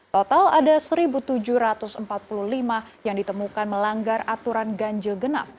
total ada satu tujuh ratus empat puluh lima yang ditemukan melanggar aturan ganjil genap